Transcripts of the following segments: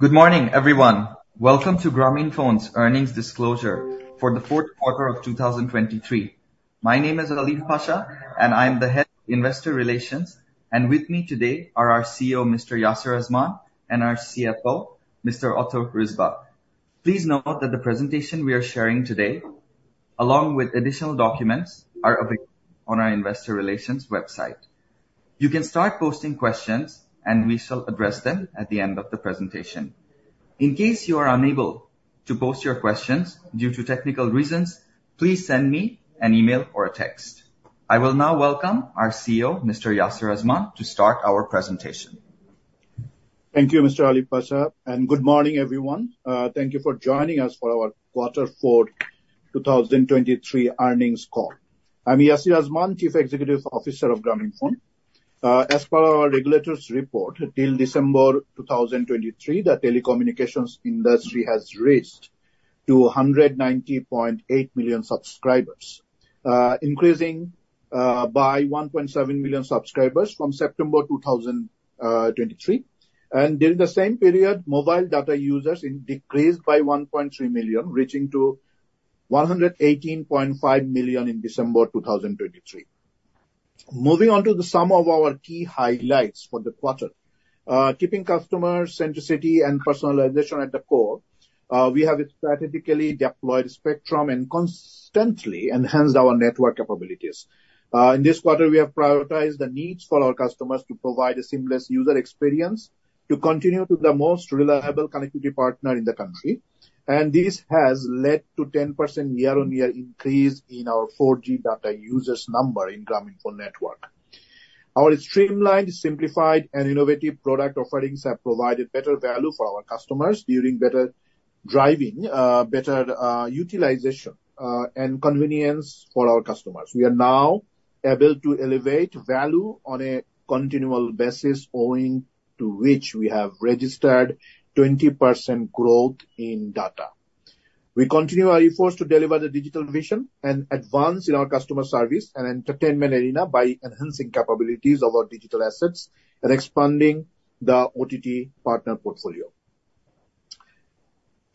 Good morning, everyone. Welcome to Grameenphone's earnings disclosure for the fourth quarter of 2023. My name is Aleef Pasha, and I'm the Head of Investor Relations, and with me today are our CEO, Mr. Yasir Azman, and our CFO, Mr. Otto Risbakk. Please note that the presentation we are sharing today, along with additional documents, are available on our investor relations website. You can start posting questions, and we shall address them at the end of the presentation. In case you are unable to post your questions due to technical reasons, please send me an email or a text. I will now welcome our CEO, Mr. Yasir Azman, to start our presentation. Thank you, Mr. Aleef Pasha, and good morning, everyone. Thank you for joining us for our quarter four 2023 earnings call. I'm Yasir Azman, Chief Executive Officer of Grameenphone. As per our regulators report, till December 2023, the telecommunications industry has raised to 190.8 million subscribers, increasing by 1.7 million subscribers from September 2023. During the same period, mobile data users decreased by 1.3 million, reaching to 118.5 million in December 2023. Moving on to some of our key highlights for the quarter. Keeping customer centricity and personalization at the core, we have strategically deployed spectrum and constantly enhanced our network capabilities. In this quarter, we have prioritized the needs for our customers to provide a seamless user experience to continue to be the most reliable connectivity partner in the country, and this has led to 10% year-on-year increase in our 4G data users number in Grameenphone network. Our streamlined, simplified, and innovative product offerings have provided better value for our customers, driving better utilization and convenience for our customers. We are now able to elevate value on a continual basis, owing to which we have registered 20% growth in data. We continue our efforts to deliver the digital vision and advance in our customer service and entertainment arena by enhancing capabilities of our digital assets and expanding the OTT partner portfolio.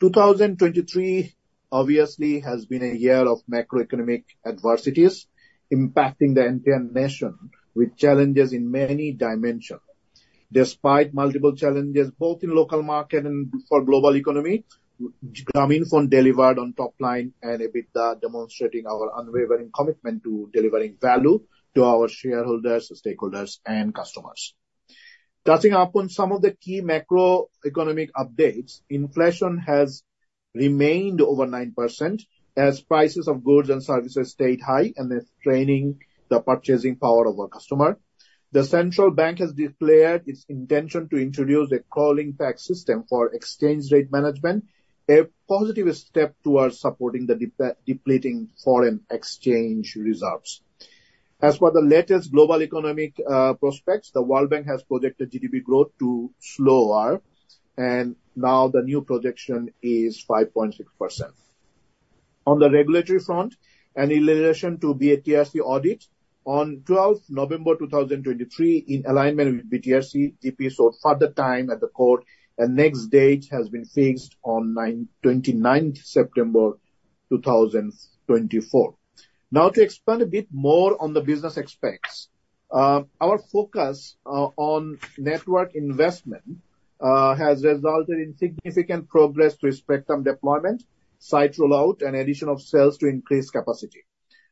2023 obviously has been a year of macroeconomic adversities, impacting the entire nation with challenges in many dimensions. Despite multiple challenges, both in local market and for global economy, Grameenphone delivered on top line and EBITDA, demonstrating our unwavering commitment to delivering value to our shareholders, stakeholders, and customers. Touching upon some of the key macroeconomic updates, inflation has remained over 9% as prices of goods and services stayed high and is straining the purchasing power of our customer. The central bank has declared its intention to introduce a crawling peg system for exchange rate management, a positive step towards supporting the depleting foreign exchange reserves. As for the latest global economic prospects, the World Bank has projected GDP growth to slower, and now the new projection is 5.6%. On the regulatory front, and in relation to BTRC audit, on 12th November 2023, in alignment with BTRC, GP sought further time at the court, and next date has been fixed on 29th September 2024. Now to expand a bit more on the business aspects. Our focus on network investment has resulted in significant progress to spectrum deployment, site rollout, and addition of cells to increase capacity.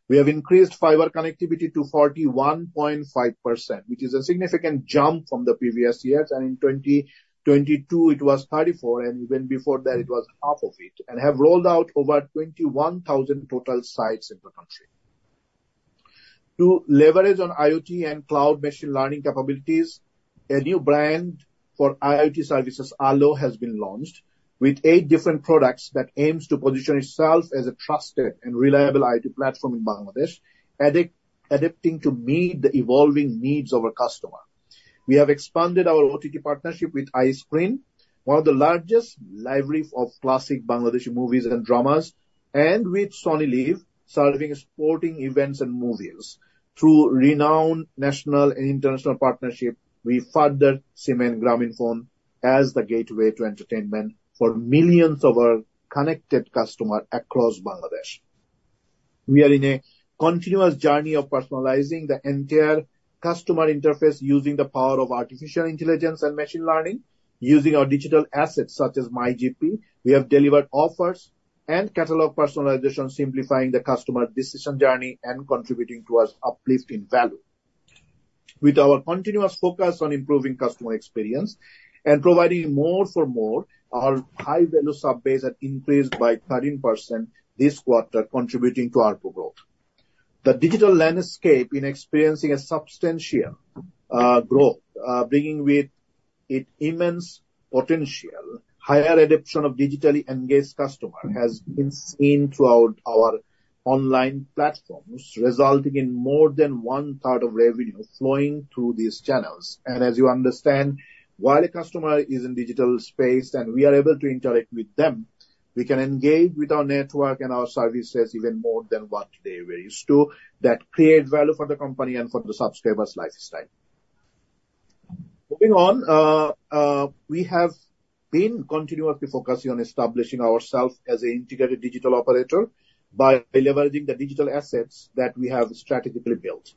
We have increased fiber connectivity to 41.5%, which is a significant jump from the previous years, and in 2022, it was 34%, and even before that, it was half of it, and have rolled out over 21,000 total sites in the country. To leverage on IoT and cloud machine learning capabilities, a new brand for IoT services, alo, has been launched with eight different products that aims to position itself as a trusted and reliable IoT platform in Bangladesh, adapting to meet the evolving needs of our customer. We have expanded our OTT partnership with iScreen, one of the largest library of classic Bangladeshi movies and dramas, and with SonyLIV, serving sporting events and movies. Through renowned national and international partnership, we further cement Grameenphone as the gateway to entertainment for millions of our connected customer across Bangladesh. We are in a continuous journey of personalizing the entire customer interface using the power of artificial intelligence and machine learning. Using our digital assets, such as MyGP, we have delivered offers and catalog personalization, simplifying the customer decision journey and contributing towards uplift in value. With our continuous focus on improving customer experience and providing more for more, our high-value surveys are increased by 13% this quarter, contributing to ARPU growth. The digital landscape in experiencing a substantial growth, bringing with it immense potential, higher adoption of digitally engaged customer has been seen throughout our online platforms, resulting in more than one-third of revenue flowing through these channels. And as you understand, while a customer is in digital space and we are able to interact with them. We can engage with our network and our services even more than what they were used to, that create value for the company and for the subscribers' lifestyle. Moving on, we have been continuously focusing on establishing ourselves as an integrated digital operator by leveraging the digital assets that we have strategically built.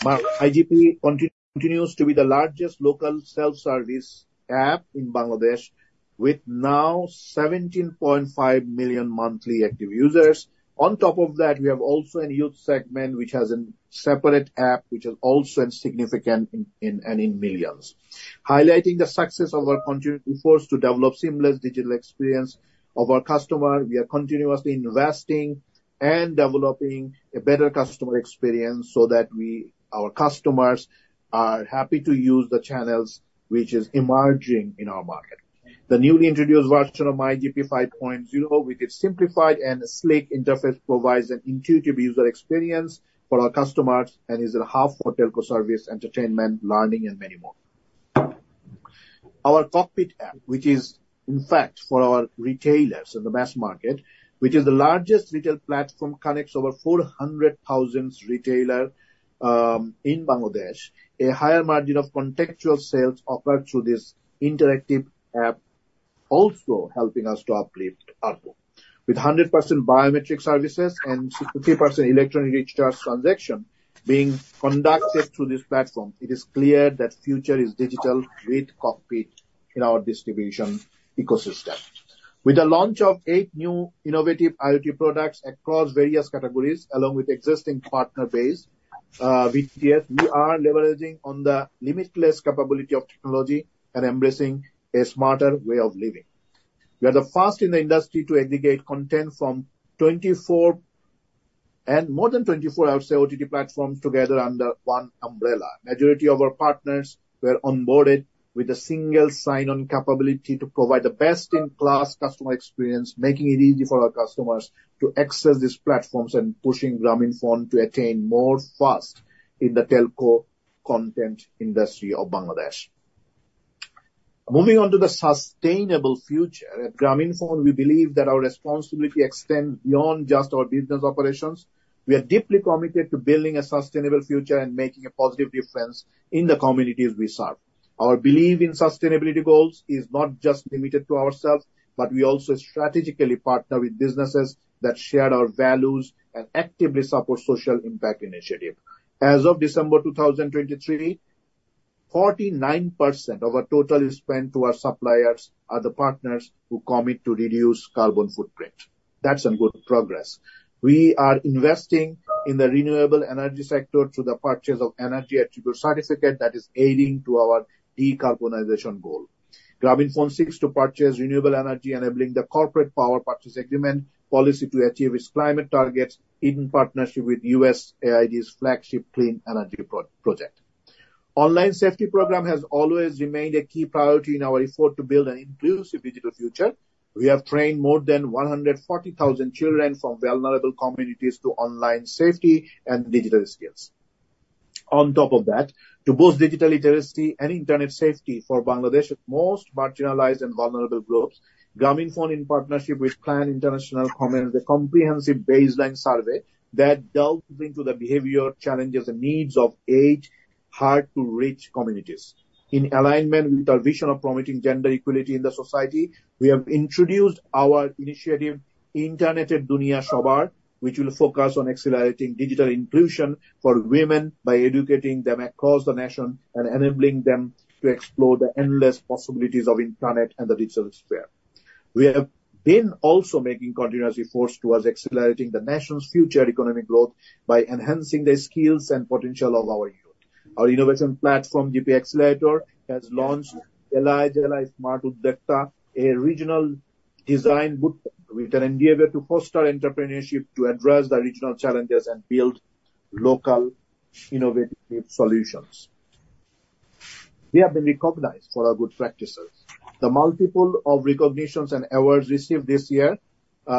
MyGP continues to be the largest local self-service app in Bangladesh, with now 17.5 million monthly active users. On top of that, we have also a youth segment, which has a separate app, which is also significant and in millions. Highlighting the success of our continued efforts to develop seamless digital experience of our customer, we are continuously investing and developing a better customer experience so that we, our customers are happy to use the channels which is emerging in our market. The newly introduced version of MyGP 5.0, with its simplified and slick interface, provides an intuitive user experience for our customers and is a hub for telco service, entertainment, learning, and many more. Our Cockpit app, which is in fact for our retailers in the mass market, which is the largest retail platform, connects over 400,000 retailers in Bangladesh. A higher margin of contextual sales occur through this interactive app, also helping us to uplift ARPU. With 100% biometric services and 60% electronic recharge transaction being conducted through this platform, it is clear that future is digital with Cockpit in our distribution ecosystem. With the launch of eight new innovative IoT products across various categories, along with existing partner base, we here, we are leveraging on the limitless capability of technology and embracing a smarter way of living. We are the first in the industry to aggregate content from 24 and more than 24 outside OTT platforms together under one umbrella. Majority of our partners were onboarded with a single sign-on capability to provide the best-in-class customer experience, making it easy for our customers to access these platforms and pushing Grameenphone to attain more first in the telco content industry of Bangladesh. Moving on to the sustainable future, at Grameenphone, we believe that our responsibility extends beyond just our business operations. We are deeply committed to building a sustainable future and making a positive difference in the communities we serve. Our belief in sustainability goals is not just limited to ourselves, but we also strategically partner with businesses that share our values and actively support social impact initiative. As of December 2023, 49% of our total spend to our suppliers are the partners who commit to reduce carbon footprint. That's a good progress. We are investing in the renewable energy sector through the purchase of Energy Attribute Certificate that is aiding to our decarbonization goal. Grameenphone seeks to purchase renewable energy, enabling the Corporate Power Purchase Agreement policy to achieve its climate targets in partnership with USAID's flagship Clean Energy Project. Online safety program has always remained a key priority in our effort to build an inclusive digital future. We have trained more than 140,000 children from vulnerable communities to online safety and digital skills. On top of that, to boost digital literacy and internet safety for Bangladesh's most marginalized and vulnerable groups, Grameenphone, in partnership with Plan International, commissioned a comprehensive baseline survey that delves into the behavior, challenges, and needs of eight hard-to-reach communities. In alignment with our vision of promoting gender equality in the society, we have introduced our initiative, Internet Duniya Sobar, which will focus on accelerating digital inclusion for women by educating them across the nation and enabling them to explore the endless possibilities of internet and the digital sphere. We have been also making continuous efforts towards accelerating the nation's future economic growth by enhancing the skills and potential of our youth. Our innovation platform, GP Accelerator, has launched Jelay Jelay Smart Uddyokta, a regional design bootcamp, with an endeavor to foster entrepreneurship, to address the regional challenges and build local innovative solutions. We have been recognized for our good practices. The multiple of recognitions and awards received this year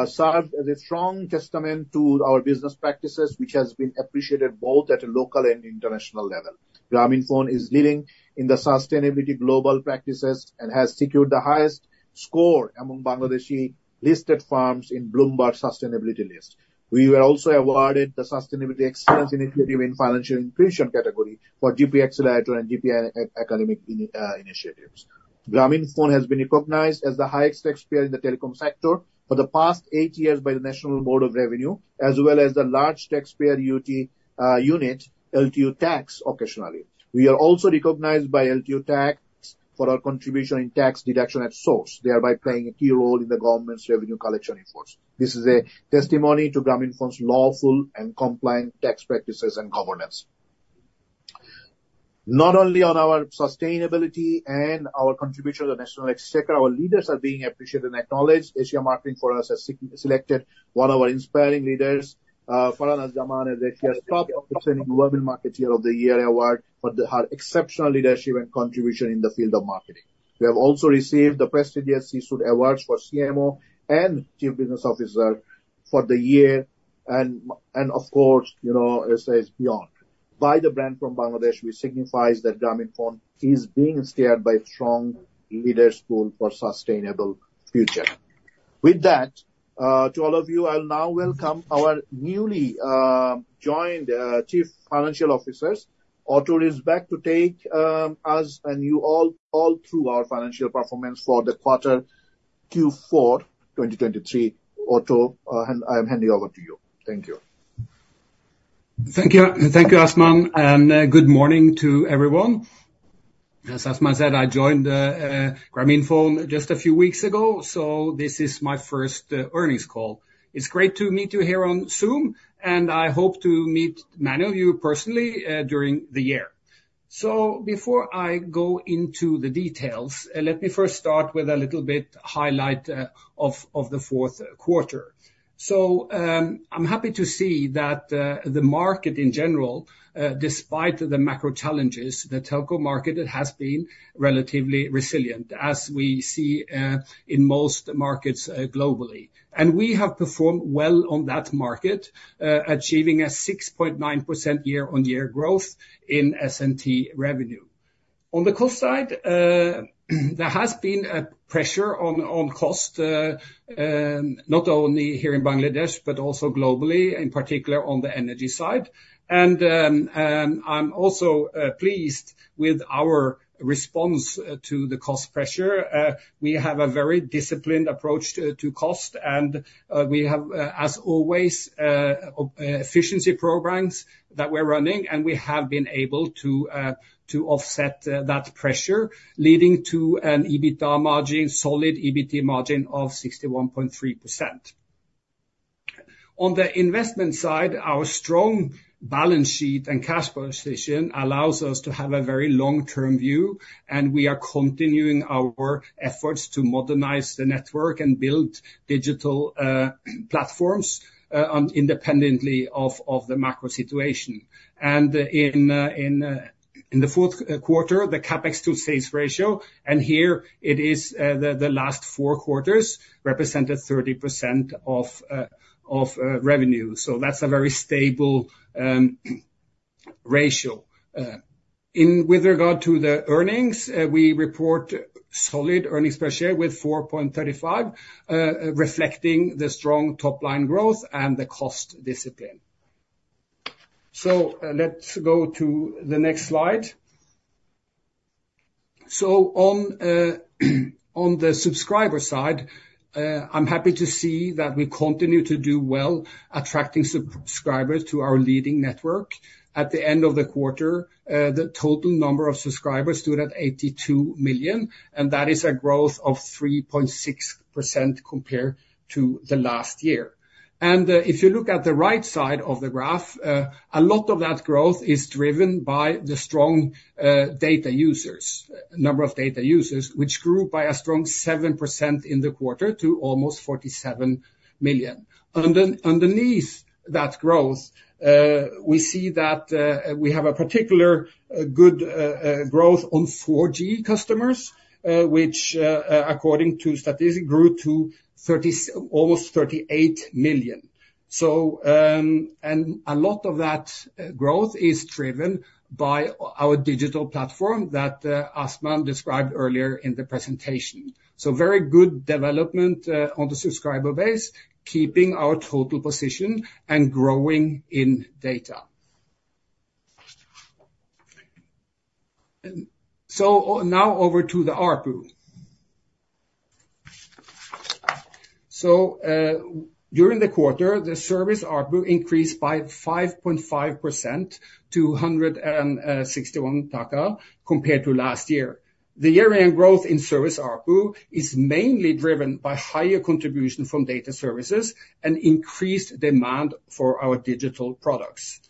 serve as a strong testament to our business practices, which has been appreciated both at a local and international level. Grameenphone is leading in the sustainability global practices and has secured the highest score among Bangladeshi listed firms in Bloomberg Sustainability list. We were also awarded the Sustainability Excellence Initiative in Financial Inclusion category for GP Accelerator and GP Academy initiatives. Grameenphone has been recognized as the highest taxpayer in the telecom sector for the past eight years by the National Board of Revenue, as well as the Large Taxpayer Unit, LTU, occasionally. We are also recognized by LTU for our contribution in tax deduction at source, thereby playing a key role in the government's revenue collection efforts. This is a testimony to Grameenphone's lawful and compliant tax practices and governance. Not only on our sustainability and our contribution to the national exchequer, our leaders are being appreciated and acknowledged. Asia Marketing Federation has selected one of our inspiring leaders, Farha Naz Zaman as the top Rising Women Marketeer of the Year award for her exceptional leadership and contribution in the field of marketing. We have also received the prestigious C-Suite Awards for CMO and Chief Business Officer for the year and, of course, you know, it says Best Brand from Bangladesh, which signifies that Grameenphone is being steered by a strong leadership for sustainable future. With that, to all of you, I'll now welcome our newly joined Chief Financial Officer. Otto Risbakk to take us and you all through our financial performance for the quarter Q4 2023. Otto, I'm handing over to you. Thank you. Thank you. Thank you, Azman, and good morning to everyone. As Azman said, I joined Grameenphone just a few weeks ago, so this is my first earnings call. It's great to meet you here on Zoom, and I hope to meet many of you personally during the year. So before I go into the details, let me first start with a little bit highlight of the fourth quarter. So I'm happy to see that the market in general, despite the macro challenges, the telco market it has been relatively resilient, as we see in most markets globally. And we have performed well on that market, achieving a 6.9% year-on-year growth in S&T revenue. On the cost side, there has been a pressure on, on cost, not only here in Bangladesh, but also globally, in particular on the energy side. And, and I'm also, pleased with our response to the cost pressure. We have a very disciplined approach to, to cost, and, we have, as always, efficiency programs that we're running, and we have been able to, to offset, that pressure, leading to an EBITDA margin, solid EBIT margin of 61.3%. On the investment side, our strong balance sheet and cash position allows us to have a very long-term view, and we are continuing our efforts to modernize the network and build digital, platforms, on independently of, of the macro situation. In the fourth quarter, the CapEx to sales ratio. Here it is, the last four quarters represented 30% of revenue. So that's a very stable ratio. In regard to the earnings, we report solid earnings per share with BDT 4.35, reflecting the strong top line growth and the cost discipline. So let's go to the next slide. On the subscriber side, I'm happy to see that we continue to do well, attracting subscribers to our leading network. At the end of the quarter, the total number of subscribers stood at 82 million, and that is a growth of 3.6% compared to the last year. And, if you look at the right side of the graph, a lot of that growth is driven by the strong data users. Number of data users, which grew by a strong 7% in the quarter to almost 47 million. Underneath that growth, we see that we have a particular good growth on 4G customers, which, according to statistics, grew to almost 38 million. So, and a lot of that growth is driven by our digital platform that Azman described earlier in the presentation. So very good development on the subscriber base, keeping our total position and growing in data. And so now over to the ARPU. So, during the quarter, the service ARPU increased by 5.5% to BDT 161 compared to last year. The year-end growth in service ARPU is mainly driven by higher contribution from data services and increased demand for our digital products.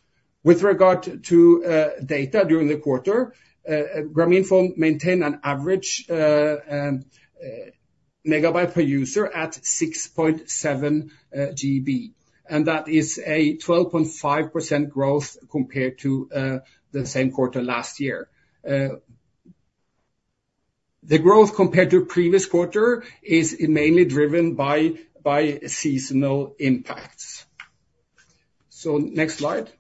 With regard to data during the quarter, Grameenphone maintained an average megabyte per user at 6.7 GB, and that is a 12.5% growth compared to the same quarter last year. The growth compared to previous quarter is mainly driven by seasonal impacts. So next slide.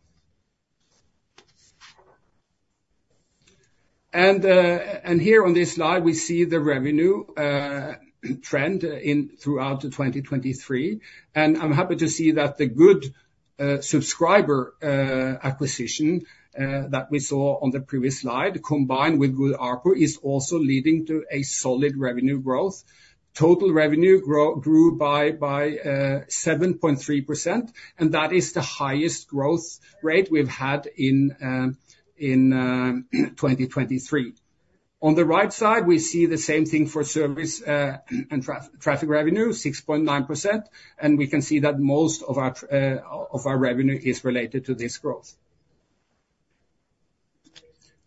And here on this slide, we see the revenue trend throughout 2023. And I'm happy to see that the good subscriber acquisition that we saw on the previous slide, combined with good ARPU, is also leading to a solid revenue growth. Total revenue grew by 7.3%, and that is the highest growth rate we've had in 2023. On the right side, we see the same thing for service and traffic revenue, 6.9%, and we can see that most of our revenue is related to this growth.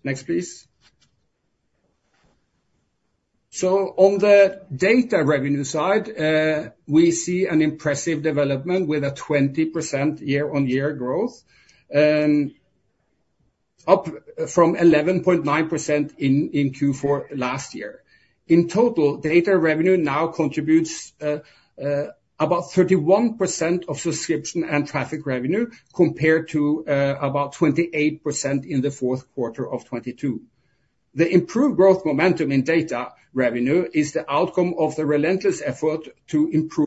Next, please. So on the data revenue side, we see an impressive development with a 20% year-on-year growth, up from 11.9% in Q4 last year. In total, data revenue now contributes about 31% of subscription and traffic revenue, compared to about 28% in the fourth quarter of 2022. The improved growth momentum in data revenue is the outcome of the relentless effort to improve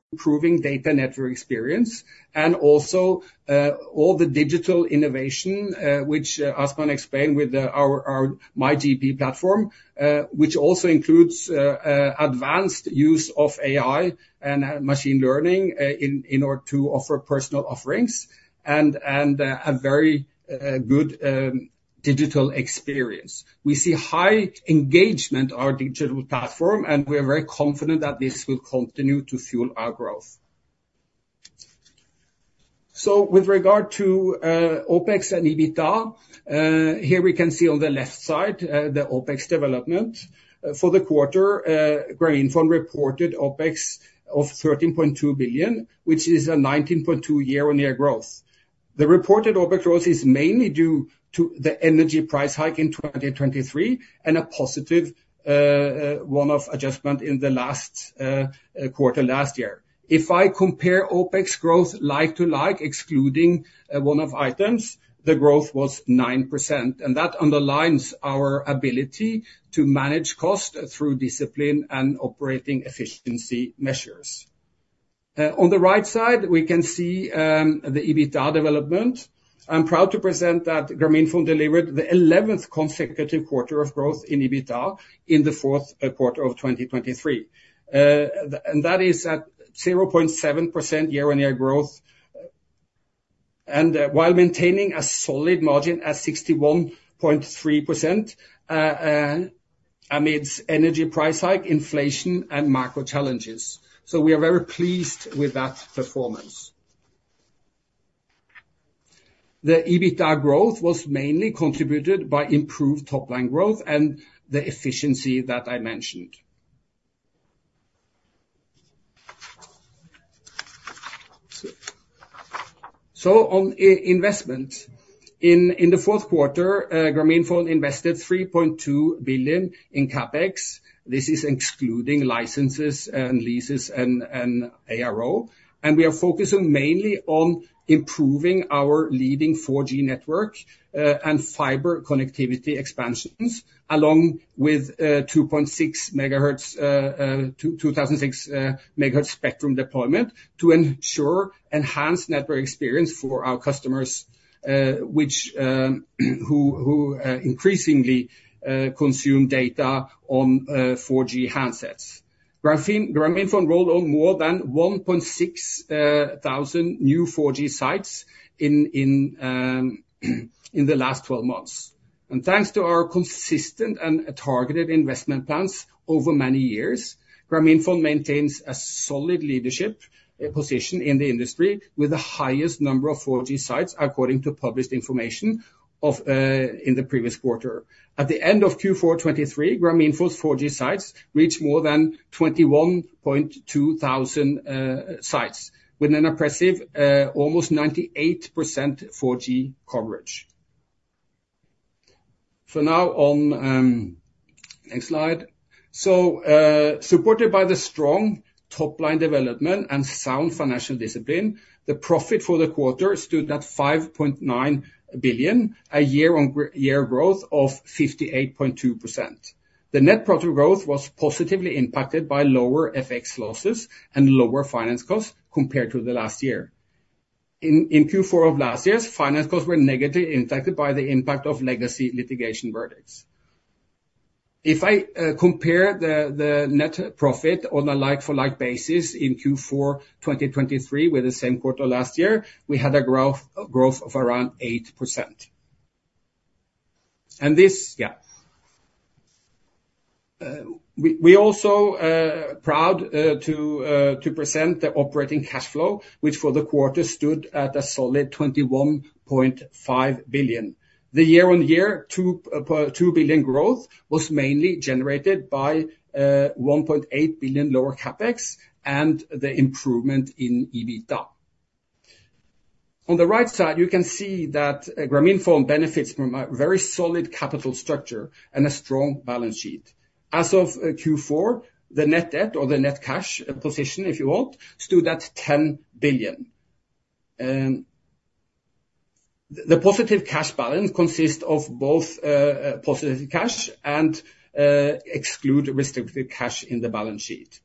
data network experience, and also all the digital innovation, which Azman explained with our MyGP platform, which also includes advanced use of AI and machine learning in order to offer personal offerings and a very good digital experience. We see high engagement on our digital platform, and we are very confident that this will continue to fuel our growth. So with regard to OpEx and EBITDA, here we can see on the left side the OpEx development. For the quarter, Grameenphone reported OpEx of BDT 13.2 billion, which is a 19.2% year-on-year growth. The reported OpEx growth is mainly due to the energy price hike in 2023, and a positive one-off adjustment in the last quarter last year. If I compare OpEx growth like to like, excluding one-off items, the growth was 9%, and that underlines our ability to manage cost through discipline and operating efficiency measures. On the right side, we can see the EBITDA development. I'm proud to present that Grameenphone delivered the 11th consecutive quarter of growth in EBITDA in the fourth quarter of 2023. And that is at 0.7% year-on-year growth, and while maintaining a solid margin at 61.3%, amidst energy price hike, inflation, and macro challenges. So we are very pleased with that performance. The EBITDA growth was mainly contributed by improved top-line growth and the efficiency that I mentioned. On investment. In the fourth quarter, Grameenphone invested BDT 3.2 billion in CapEx. This is excluding licenses and leases and ARO, and we are focusing mainly on improving our leading 4G network and fiber connectivity expansions, along with 2.6 megahertz and 2600 megahertz spectrum deployment to ensure enhanced network experience for our customers, which increasingly consume data on 4G handsets. Grameenphone rolled out more than 1,600 new 4G sites in the last 12 months. Thanks to our consistent and targeted investment plans over many years, Grameenphone maintains a solid leadership position in the industry with the highest number of 4G sites, according to published information in the previous quarter. At the end of Q4 2023, Grameenphone's 4G sites reached more than 21,200 sites, with an impressive almost 98% 4G coverage. So now on, next slide. So, supported by the strong top-line development and sound financial discipline, the profit for the quarter stood at BDT 5.9 billion, a year-on-year growth of 58.2%. The net profit growth was positively impacted by lower FX losses and lower finance costs compared to the last year. In Q4 of last year, finance costs were negatively impacted by the impact of legacy litigation verdicts. If I compare the net profit on a like-for-like basis in Q4 2023 with the same quarter last year, we had a growth of around 8%. And this-- Yeah. We also proud to present the operating cash flow, which for the quarter stood at a solid BDT 21.5 billion. The year-on-year BDT 2 billion growth was mainly generated by BDT 1.8 billion lower CapEx and the improvement in EBITDA. On the right side, you can see that Grameenphone benefits from a very solid capital structure and a strong balance sheet. As of Q4, the net debt or the net cash position, if you want, stood at BDT 10 billion. The positive cash balance consists of both positive cash and excluding restricted cash in the balance sheet.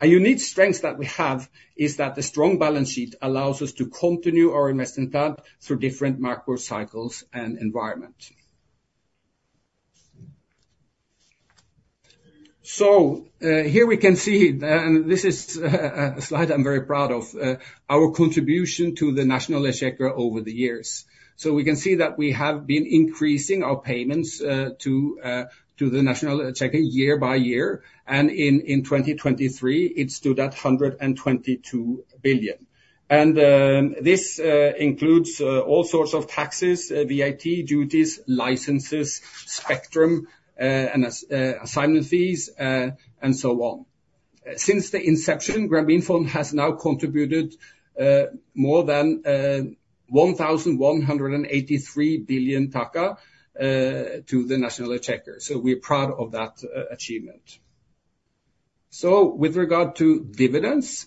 A unique strength that we have is that the strong balance sheet allows us to continue our investment plan through different macro cycles and environments. So, here we can see, and this is a slide I'm very proud of, our contribution to the National Exchequer over the years. So we can see that we have been increasing our payments to the National Exchequer year by year, and in 2023, it stood at BDT 122 billion. And this includes all sorts of taxes, VAT, duties, licenses, spectrum, and assignment fees, and so on. Since the inception, Grameenphone has now contributed more than BDT 1,183 billion to the National Exchequer, so we're proud of that achievement. So with regard to dividends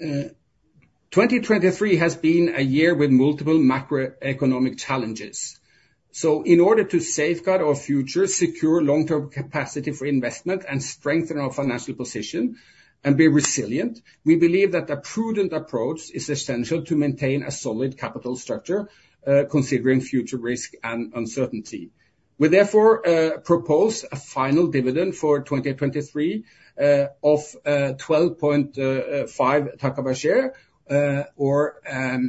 2023 has been a year with multiple macroeconomic challenges. So in order to safeguard our future, secure long-term capacity for investment, and strengthen our financial position and be resilient, we believe that a prudent approach is essential to maintain a solid capital structure, considering future risk and uncertainty. We therefore propose a final dividend for 2023 of BDT 12.5 per share, or at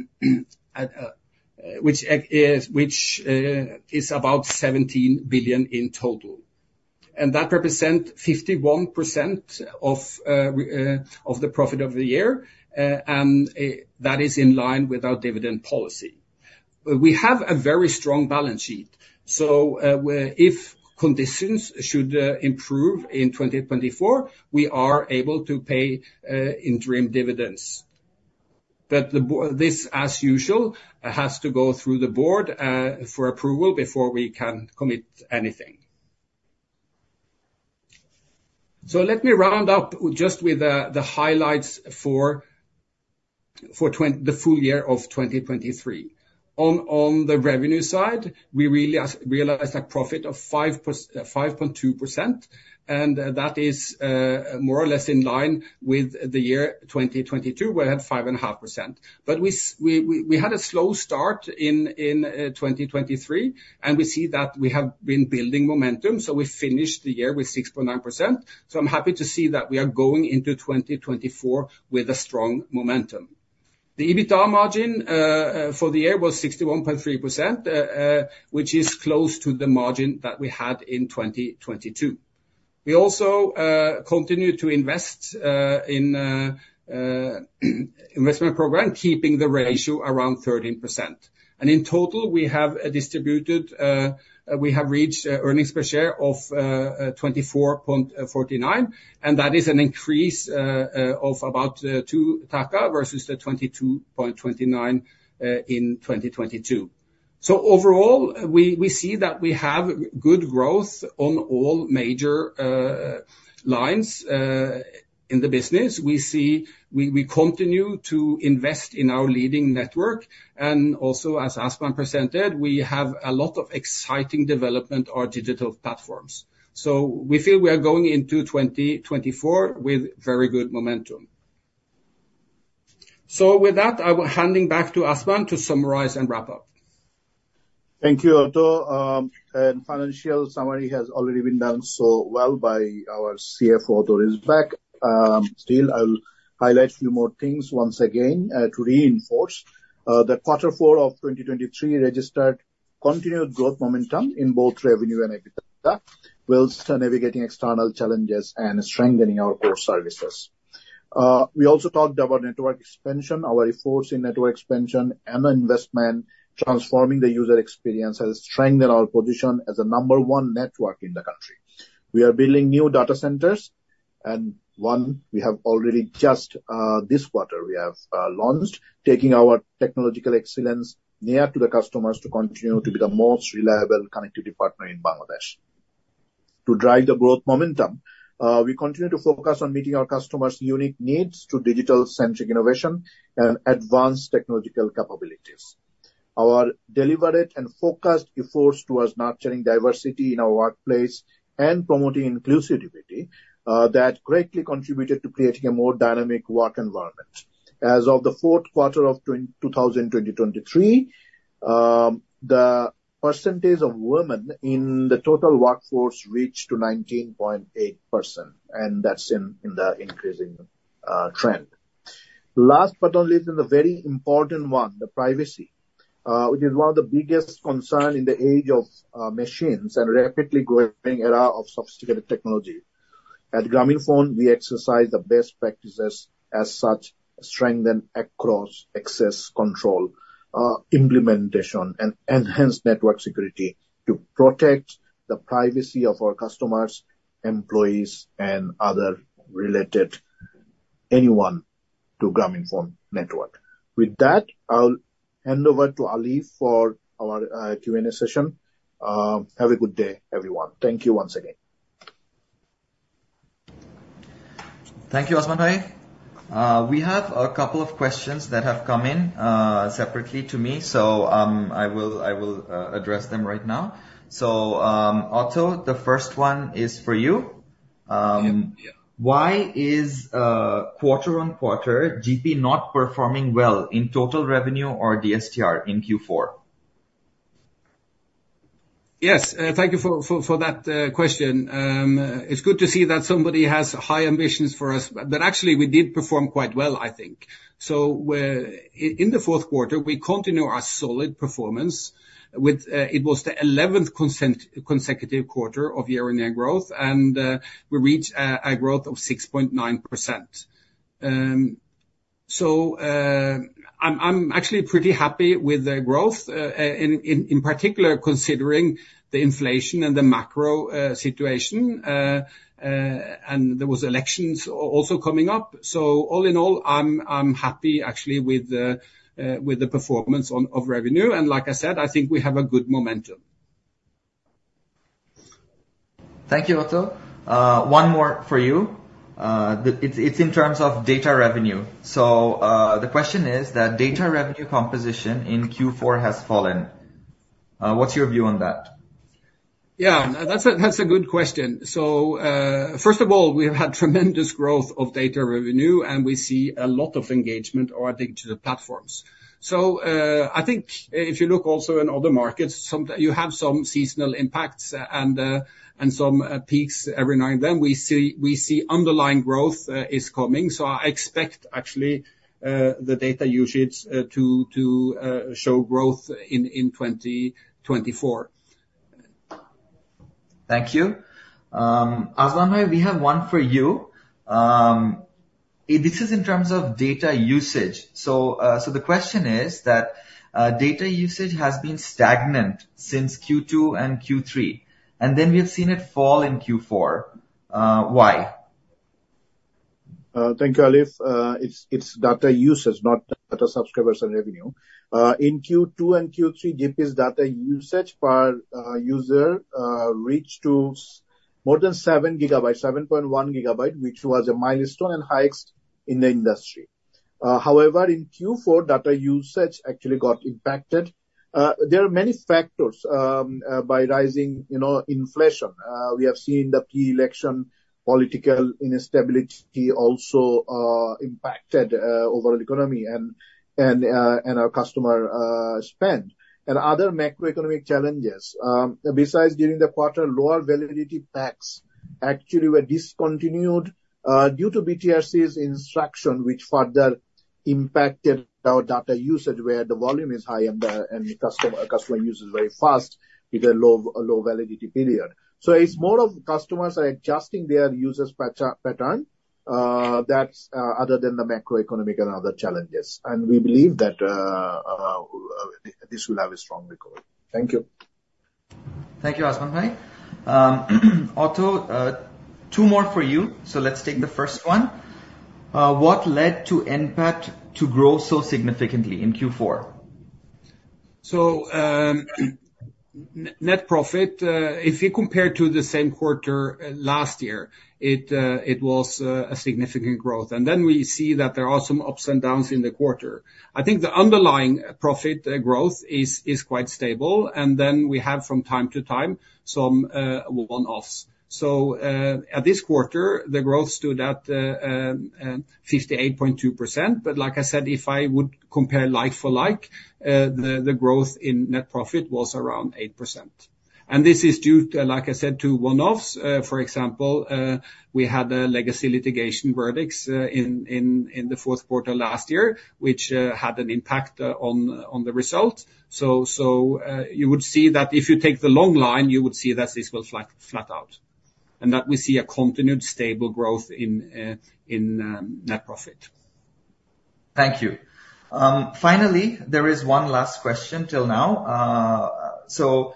which is about BDT 17 billion in total. And that represent 51% of the profit of the year, and that is in line with our dividend policy. We have a very strong balance sheet, so where if conditions should improve in 2024, we are able to pay interim dividends. But this, as usual, has to go through the board for approval before we can commit anything. So let me round up just with the highlights for the full year of 2023. On the revenue side, we really realized a profit of 5.2%, and that is more or less in line with the year 2022, where we had 5.5%. But we had a slow start in 2023, and we see that we have been building momentum, so we finished the year with 6.9%. So I'm happy to see that we are going into 2024 with a strong momentum. The EBITDA margin for the year was 61.3%, which is close to the margin that we had in 2022. We also continued to invest in investment program, keeping the ratio around 13%. In total, we have distributed, we have reached earnings per share of BDT 24.49, and that is an increase of about BDT 2 versus the BDT 22.29 in 2022. So overall, we see that we have good growth on all major lines in the business. We see. We continue to invest in our leading network, and also, as Azman presented, we have a lot of exciting development on our digital platforms. So we feel we are going into 2024 with very good momentum. So with that, I will handing back to Azman to summarize and wrap up. Thank you, Otto. Financial summary has already been done so well by our CFO, Otto Risbakk. Still, I'll highlight a few more things once again to reinforce that quarter four of 2023 registered continued growth momentum in both revenue and EBITDA, while navigating external challenges and strengthening our core services. We also talked about network expansion, our efforts in network expansion and investment, transforming the user experience, and strengthen our position as the number one network in the country. We are building new data centers, and one we have already just this quarter we have launched, taking our technological excellence near to the customers to continue to be the most reliable connectivity partner in Bangladesh. To drive the growth momentum, we continue to focus on meeting our customers' unique needs to digital-centric innovation and advanced technological capabilities. Our deliberate and focused efforts towards nurturing diversity in our workplace and promoting inclusivity that greatly contributed to creating a more dynamic work environment. As of the fourth quarter of 2023, the percentage of women in the total workforce reached to 19.8%, and that's in the increasing trend. Last but not least, and a very important one, the privacy, which is one of the biggest concern in the age of machines and rapidly growing era of sophisticated technology. At Grameenphone, we exercise the best practices as such, strengthen across access control implementation, and enhance network security to protect the privacy of our customers, employees, and other related anyone to Grameenphone network. With that, I'll hand over to Aleef for our Q&A session. Have a good day, everyone. Thank you once again. Thank you, Yasir Azman. We have a couple of questions that have come in separately to me, so I will address them right now. So, Otto, the first one is for you. Yeah. Why is quarter-on-quarter GP not performing well in total revenue or DSTR in Q4? Yes, thank you for that question. It's good to see that somebody has high ambitions for us, but actually, we did perform quite well, I think. So we're in the fourth quarter, we continue our solid performance with it was the 11th consecutive quarter of year-on-year growth, and we reached a growth of 6.9%. So, I'm actually pretty happy with the growth, in particular, considering the inflation and the macro situation, and there was elections also coming up. So all in all, I'm happy actually, with the performance of revenue, and like I said, I think we have a good momentum. Thank you, Otto. One more for you. It's in terms of data revenue. So, the question is that data revenue composition in Q4 has fallen. What's your view on that? Yeah, that's a good question. So, first of all, we have had tremendous growth of data revenue, and we see a lot of engagement on our digital platforms. So, I think if you look also in other markets, sometimes you have some seasonal impacts and some peaks every now and then. We see underlying growth is coming, so I expect actually the data usages to show growth in 2024. Thank you. Azman, we have one for you. This is in terms of data usage. So, the question is that data usage has been stagnant since Q2 and Q3, and then we have seen it fall in Q4. Why? Thank you, Aleef. It's data usage, not data subscribers and revenue. In Q2 and Q3, GP's data usage per user reached more than 7 GB, 7.1 GB, which was a milestone and highest in the industry. However, in Q4, data usage actually got impacted. There are many factors by rising, you know, inflation. We have seen the pre-election political instability also impacted overall economy and our customer spend. And other macroeconomic challenges, besides during the quarter, lower validity packs actually were discontinued due to BTRC's instruction, which further impacted our data usage, where the volume is high and the customer uses very fast with a low validity period. So it's more of customers are adjusting their usage pattern, that's, other than the macroeconomic and other challenges, and we believe that this will have a strong recovery. Thank you. Thank you, Yasir Azman. Otto, two more for you. So let's take the first one. What led to NPAT to grow so significantly in Q4? Net profit, if you compare to the same quarter last year, it, it was a significant growth. Then we see that there are some ups and downs in the quarter. I think the underlying profit growth is quite stable, and then we have from time to time, some one-offs. At this quarter, the growth stood at 58.2%. But like I said, if I would compare like for like, the growth in net profit was around 8%. And this is due to, like I said, to one-offs. For example, we had a legacy litigation verdicts in the fourth quarter last year, which had an impact on the result. So, you would see that if you take the long line, you would see that this will flat out, and that we see a continued stable growth in net profit. Thank you. Finally, there is one last question till now. So,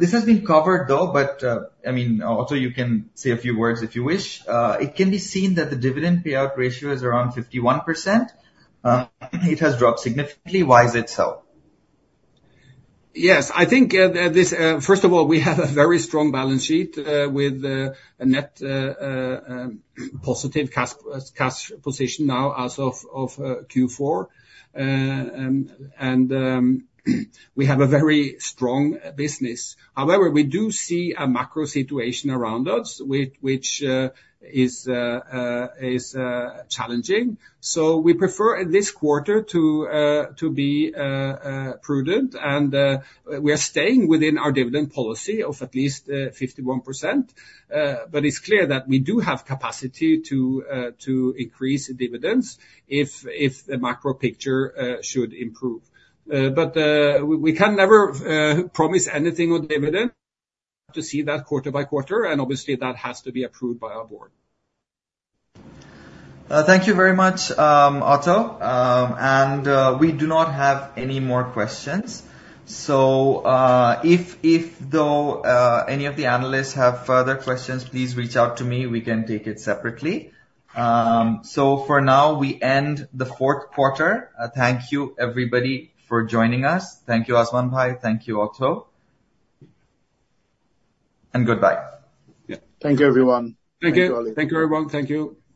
this has been covered, though, but, I mean, also you can say a few words if you wish. It can be seen that the dividend payout ratio is around 51%. It has dropped significantly. Why is it so? Yes, I think this. First of all, we have a very strong balance sheet with a net positive cash position now as of Q4. We have a very strong business. However, we do see a macro situation around us which is challenging. So we prefer this quarter to be prudent and we are staying within our dividend policy of at least 51%. But it's clear that we do have capacity to increase dividends if the macro picture should improve. But we can never promise anything on dividend to see that quarter by quarter, and obviously that has to be approved by our board. Thank you very much, Otto. And we do not have any more questions. So, if any of the analysts have further questions, please reach out to me. We can take it separately. So for now, we end the fourth quarter. Thank you, everybody, for joining us. Thank you, Yasir Azman. Thank you, Otto. And goodbye. Yeah. Thank you, everyone. Thank you. Thank you, everyone. Thank you.